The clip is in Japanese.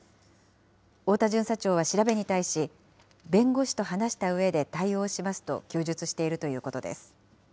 太田巡査長は調べに対し、弁護士と話したうえで対応しますと供述しているということです。